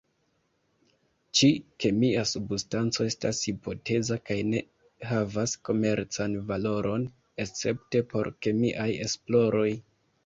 Ĉi-kemia substanco estas hipoteza kaj ne havas komercan valoron, escepte por kemiaj esploroj.